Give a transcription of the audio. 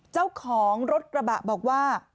เจ้าของรถกระบะบอกว่า